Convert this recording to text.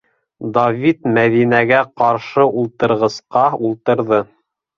Давид Мәҙинәгә ҡаршы ултырғысҡа ултырҙы: